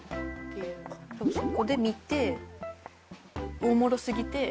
そこで見ておもろすぎて。